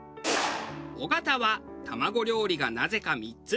尾形は卵料理がなぜか３つ。